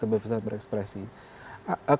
kebebasan berekspresi memang boleh dibatasi dengan